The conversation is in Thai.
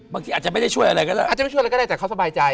บางทีอาจจะไม่ได้ช่วยอะไรก็ได้อาจจะไม่ช่วยอะไรก็ได้แต่เขาสบายใจ